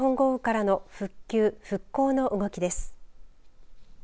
５年前の西日本豪雨からの復旧、復興の動きです。